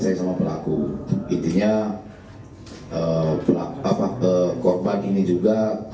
sehingga disitulah kembali terbunceng